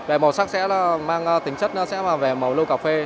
về màu sắc sẽ mang tính chất sẽ về màu lô cà phê